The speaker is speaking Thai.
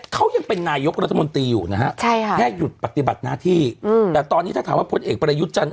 เขายังเป็นนายกรัฐมนตรีอยู่นะฮะ